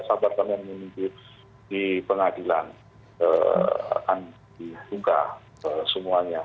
sabar karena menunggu di pengadilan akan ditunggah semuanya